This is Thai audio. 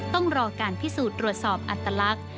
ต้องรอการพิสูจน์ตรวจสอบอัตลักษณ์